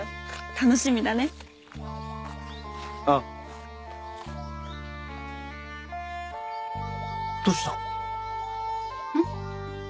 楽しみだねおうどうした？